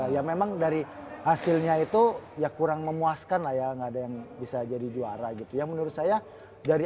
ya memang dari hasilnya itu ya kurang memuaskan lah ya nggak ada yang bisa jadi juara gitu ya menurut saya dari